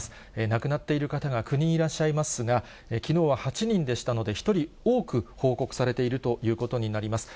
亡くなっている方が９人いらっしゃいますが、きのうは８人でしたので、１人多く報告されているということになります。